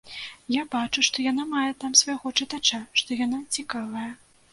Я бачу, што яна мае там свайго чытача, што яна цікавая.